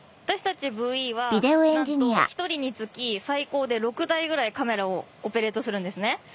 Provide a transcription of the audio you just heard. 私たちＶＥはなんと１人につき最高で６台ぐらいカメラをオペレートするんですね。